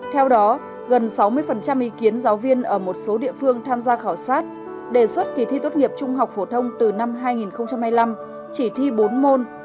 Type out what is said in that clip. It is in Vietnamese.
theo đó gần sáu mươi ý kiến giáo viên ở một số địa phương tham gia khảo sát đề xuất kỳ thi tốt nghiệp trung học phổ thông từ năm hai nghìn hai mươi năm chỉ thi bốn môn